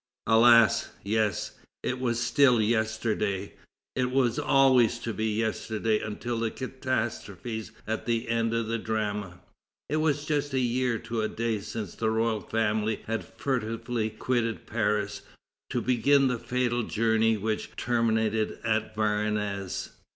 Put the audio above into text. Alas! yes, it was still yesterday, it was always to be yesterday until the catastrophes at the end of the drama. It was just a year to a day since the royal family had furtively quitted Paris to begin the fatal journey which terminated at Varennes.